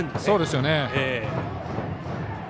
そうですね。